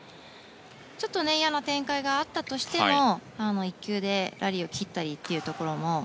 ちょっと嫌な展開があったとしても１球でラリーを切ったりというところも。